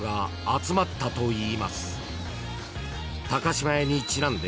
［島屋にちなんで］